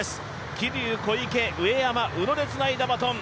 桐生、小池、上山、宇野でつないだバトン。